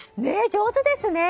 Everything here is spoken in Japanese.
上手ですね。